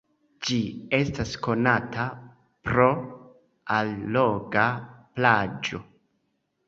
Ĝi estas konata pro alloga plaĝo.